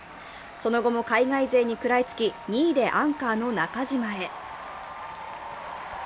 その後も海外勢に食らいつき、２位でアンカーの中島へ。